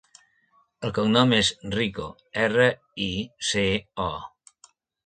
El cognom és Rico: erra, i, ce, o.